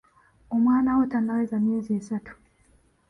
Omwana wo tannaweza myezi esatu.